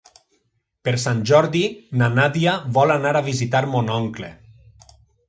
Per Sant Jordi na Nàdia vol anar a visitar mon oncle.